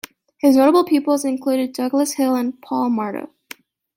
His notable pupils included Douglas Hill and Paul Marcotte.